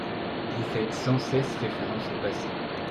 Vous faites sans cesse référence au passé.